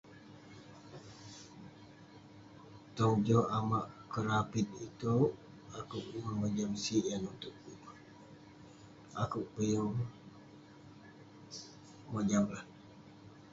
Tong joh amak kerapit itouk, akouk yeng mojam sik yah nutouk kik. Akouk peh yeng mojam lah